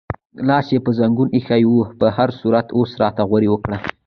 لاس یې پر زنګون ایښی و، په هر صورت اوس راته غورې وکړه.